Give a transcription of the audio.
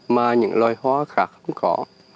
mà những loài hoa khác không có